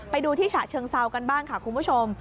ไปดูที่ฉะเชิงเซากันบ้างค่ะคุณผู้ชม